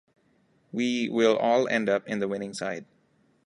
We will all end up in the winning side.